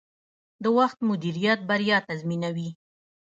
د وخت مدیریت بریا تضمینوي.